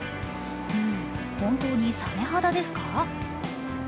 ん、本当にさめ肌ですか？